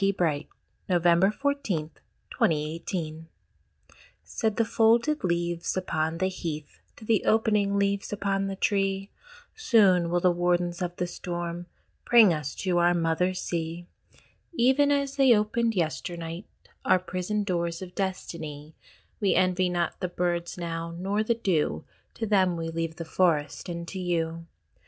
Calling to me. 20 THE FRUITS OF DEATH Said the folded Leaves upon the Heath To the opening Leaves upon the Tree: "Soon will the Warders of the Storm Bring us to our Mother Sea, Even as they opened yesternight Our prison doors of Destiny: We envy not the Birds now nor the Dew; To them we leave the Forest and to you."